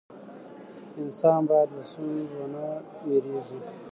انسان باید له ستونزو ونه ویریږي.